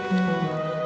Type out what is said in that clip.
ini buat kamu